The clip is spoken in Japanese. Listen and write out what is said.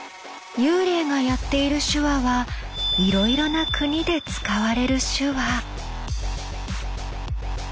幽霊がやっている手話はいろいろな国で使われる手話。